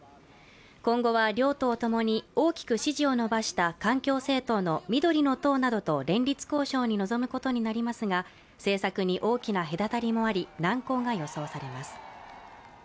今後は両党ともに大きく支持を伸ばした環境政党の緑の党などと連立交渉に臨むことになりますが政策に大きな隔たりもあり、難航が予想されます。